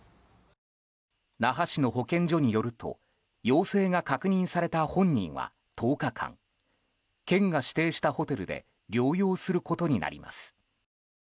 那覇市の保健所によると陽性が確認された本人は１０日間、県が指定したホテルで療養することになります。